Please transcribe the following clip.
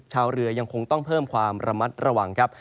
ชาวเรือยังคงต้องเพิ่มความระมัดระวังครับ